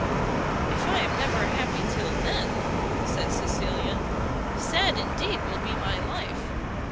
"If I am never happy till then," said Cecilia, "sad, indeed, will be my life!